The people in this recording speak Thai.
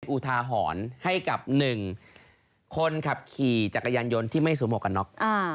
อุทาหรณ์ให้กับ๑คนขับขี่จักรยานยนต์ที่ไม่สวมหวกกันน็อก